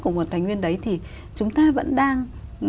của một tài nguyên đấy thì chúng ta vẫn đang